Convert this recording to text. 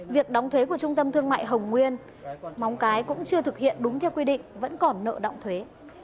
việc đóng thuế của trung tâm thương mại hồng nguyên móng cái cũng chưa thực hiện đúng theo quy định vẫn còn nợ động thuế